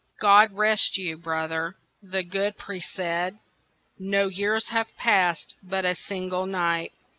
"God rest you, brother," the good priest said, "No years have passed—but a single night."